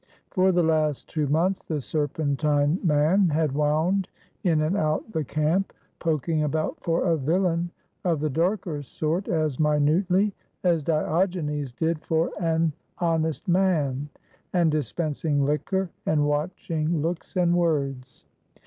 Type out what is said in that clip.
For the last two months the serpentine man had wound in and out the camp, poking about for a villain of the darker sort as minutely as Diogenes did for an honest man, and dispensing liquor and watching looks and words.